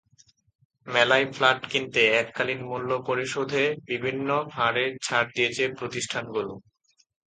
মেলায় ফ্ল্যাট কিনতে এককালীন মূল্য পরিশোধে বিভিন্ন হারে ছাড় দিয়েছে প্রতিষ্ঠানগুলো।